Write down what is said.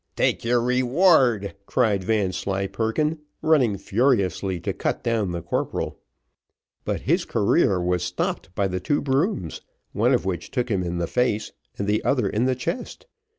"Take your reward!" cried Vanslyperken, running furiously to cut down the corporal. But his career was stopped by the two brooms, one of which took him in the face, and the other in the chest.